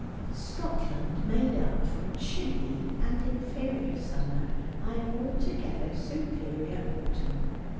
Scotland made up for a chilly and inferior summer by an altogether superior autumn.